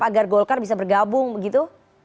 agar golkar bisa bergabung begitu